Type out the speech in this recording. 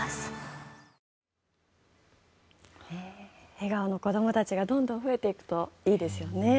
笑顔の子どもたちがどんどん増えていくといいですよね。